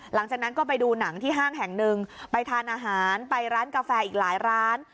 หลังจากนั้นก็ไปดูหนังที่ห้างแห่งหนึ่งไปทานอาหารไปร้านกาแฟอีกหลายร้าน